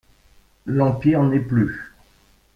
L'Empire n'est plus.